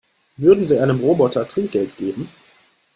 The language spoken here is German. Würden Sie einem Roboter Trinkgeld geben?